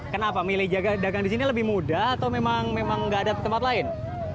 kenapa milih dagang di sini lebih mudah atau memang nggak ada tempat lain